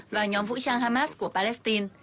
và nhóm vũ trang hamas của palestine